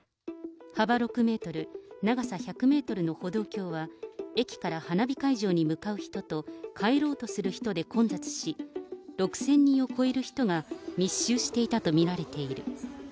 幅６メートル、長さ１００メートルの歩道橋は、駅から花火会場に向かう人と、帰ろうとする人で混雑し、６０００人を超える人が密集していたと見られている。